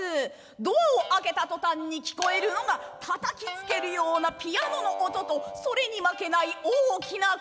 ドアを開けた途端に聞こえるのは叩きつけるようなピアノの音とそれに負けない大きな声。